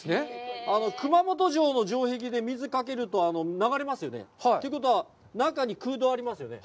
熊本城の城壁で水をかけると流れますよね？ということは中に空洞がありますよね。